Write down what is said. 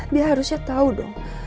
dia harusnya tau dong